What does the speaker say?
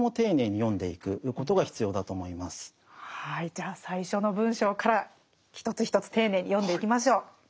じゃあ最初の文章から一つ一つ丁寧に読んでいきましょう。